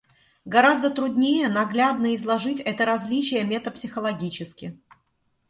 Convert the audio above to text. Гораздо труднее наглядно изложить это различие метапсихологически.